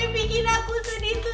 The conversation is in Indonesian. bikin aku sedih